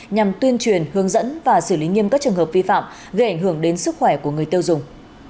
nhằm tuyên truyền hướng dẫn và xử lý nghiêm các trường hợp vi phạm gây ảnh hưởng đến sức khỏe của người tiêu dùng